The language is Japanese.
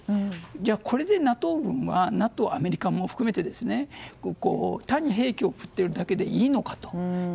じゃあ、これでＮＡＴＯ軍はＮＡＴＯ、アメリカも含めて単に兵器を送っているだけでいいのかと。